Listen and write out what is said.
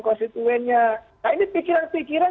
konstituennya nah ini pikiran pikiran